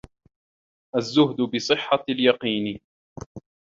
الزُّهْدُ بِصِحَّةِ الْيَقِينِ